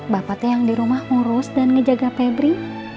bapak teh yang di rumah ngurus dan ngejaga pebri